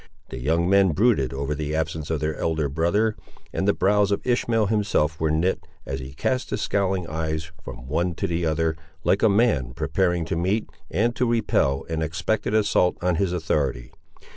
The young men brooded over the absence of their elder brother, and the brows of Ishmael himself were knit, as he cast his scowling eyes from one to the other, like a man preparing to meet and to repel an expected assault on his authority.